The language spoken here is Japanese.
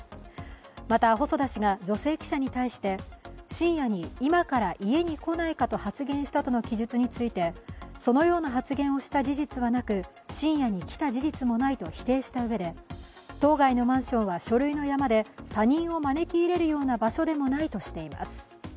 また細田氏が女性記者に対して、深夜に、今から家に来ないかと発言したとの記述について、そのような発言をした事実はなく、深夜に来た事実もないと否定したうえで当該のマンションは書類の山で、他人を招き入れるような場所でもないとしています。